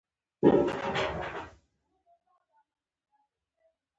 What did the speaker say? ټکی یا نقطه د یوې بشپړې جملې په پای کې اېښودل کیږي.